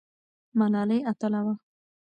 ملالۍ اتله وه؟